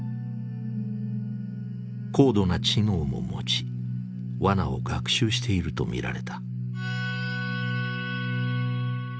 高度な知能も持ちワナを学習していると見られた。